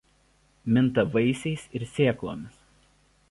Minta vaisiais ir sėklomis.